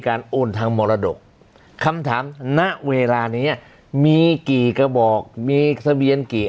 โอนทางมรดกคำถามณเวลานี้มีกี่กระบอกมีทะเบียนกี่